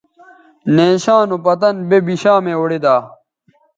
نیشاں نو پتن بے بشامےاوڑیدا